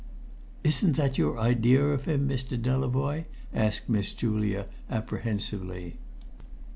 "Isn't that your idea of him, Mr. Delavoye?" asked Miss Julia, apprehensively.